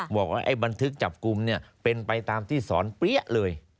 บอกว่าไอ้บันทึกจับกลุ่มเนี่ยเป็นไปตามที่สอนเปี้ยเลย